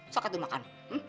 suka tuh makan